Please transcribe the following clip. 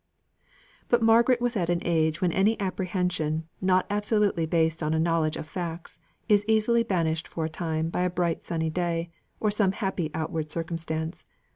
But Margaret was at an age when any apprehension, not absolutely based on a knowledge of facts, is easily banished for a time by a bright sunny day, or some happy outward circumstance.